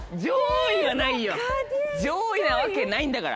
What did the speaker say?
上位なわけないんだから。